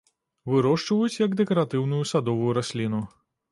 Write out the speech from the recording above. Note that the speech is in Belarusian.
Вырошчваюць як дэкаратыўную садовую расліну.